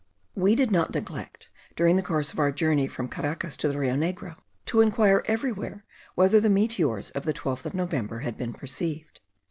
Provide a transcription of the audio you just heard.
We did not neglect, during the course of our journey from Caracas to the Rio Negro, to enquire everywhere, whether the meteors of the 12th of November had been perceived.